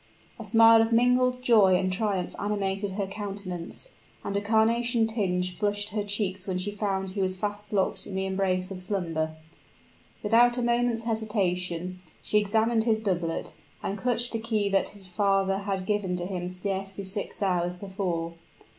A smile of mingled joy and triumph animated her countenance, and a carnation tinge flushed her cheeks when she found he was fast locked in the embrace of slumber. Without a moment's hesitation, she examined his doublet, and clutched the key that his father had given to him scarcely six hours before.